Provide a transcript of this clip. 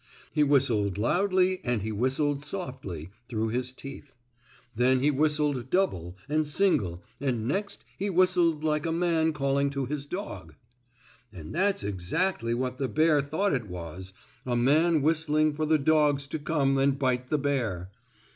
He whistled loudly and he whistled softly through his teeth. Then he whistled double and single and next he whistled like a man calling to his dog. And that's exactly what the bear thought it was a man whistling for the dogs to come and bite the bear.